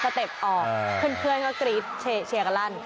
สเต็ปออกเพื่อนก็กรีวเชียร์กันถูก